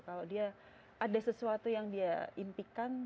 kalau dia ada sesuatu yang dia impikan